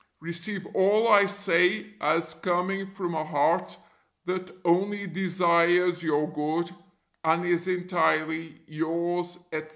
Receive all I say as coming from a heart that only desires your good, and is entirely, Yours, etc.